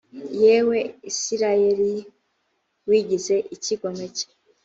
yewe isirayeli wigize icyigomeke